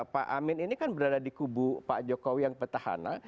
pak amin ini kan berada di kubu pak jokowi yang petahana